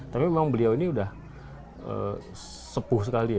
tapi memang beliau ini sudah sepuh sekali ya